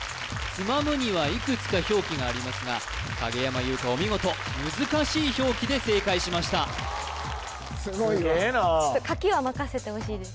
撮むにはいくつか表記がありますが影山優佳お見事難しい表記で正解しましたすごいね書きは任せてほしいです